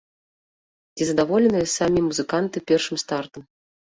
Ці задаволеныя самі музыканты першым стартам?